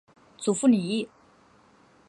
祖父李毅。